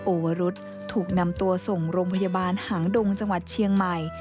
โอวรุษถูกนำตัวส่งโรงพยาบาลหางดงจังหวัดเชียงใหม่